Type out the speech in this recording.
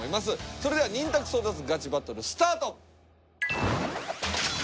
それではニン拓争奪ガチバトルスタート！